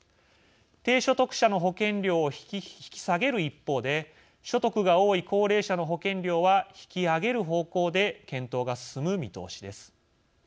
低所得者の保険料を引き下げる一方で所得が多い高齢者の保険料は引き上げる方向で検討が進む見通しです。